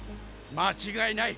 間違いない。